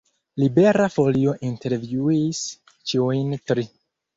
Libera Folio intervjuis ĉiujn tri.